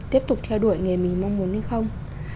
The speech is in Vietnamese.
tiếp tục theo đuổi nghề mình mong muốn hay không